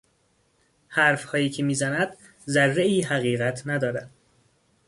حرفهایی که میزند ذرهای حقیقت ندارد.